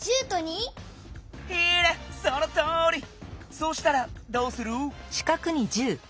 そうしたらどうする？